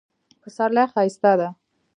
پسرلی ښایسته ده